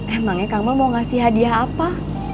emangnya kamu mau ngasih hadiah apa